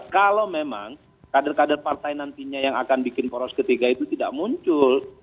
kalau memang kader kader partai nantinya yang akan bikin poros ketiga itu tidak muncul